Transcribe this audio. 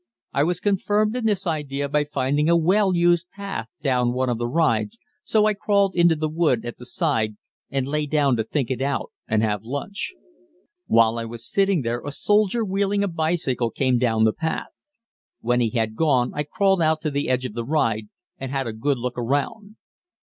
I was confirmed in this idea by finding a well used path down one of the rides, so I crawled into the wood at the side and lay down to think it out and have lunch. While I was sitting there a soldier wheeling a bicycle came down the path. When he had gone I crawled out to the edge of the ride and had a good look around.